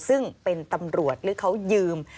ซึ่งเป็นตำรวจหรือเขายืม